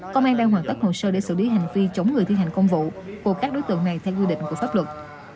công an đang hoàn tất hồ sơ để xử lý hành vi chống người thi hành công vụ của các đối tượng này theo quy định của pháp luật